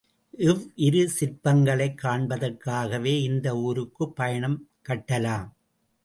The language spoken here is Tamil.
இவ்விரு சிற்பங்களைக் காண்பதற்காகவே இந்த ஊருக்கு ஒரு பயணம் கட்டலாம்.